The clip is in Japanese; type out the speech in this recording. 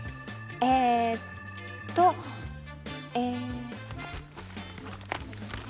えっとえぇ。